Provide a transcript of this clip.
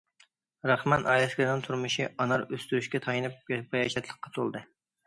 راخمان ئائىلىسىدىكىلەرنىڭ تۇرمۇشى ئانار ئۆستۈرۈشكە تايىنىپ باياشاتلىققا تولدى.